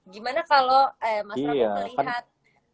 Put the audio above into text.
gimana kalau mas rafli melihat